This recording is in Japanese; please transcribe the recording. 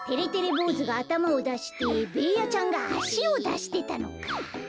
ぼうずがあたまをだしてべーヤちゃんがあしをだしてたのか。